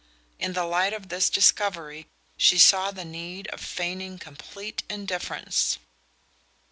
In the light of this discovery she saw the need of feigning complete indifference.